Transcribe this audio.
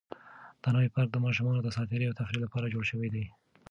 دا نوی پارک د ماشومانو د ساتیرۍ او تفریح لپاره جوړ شوی دی.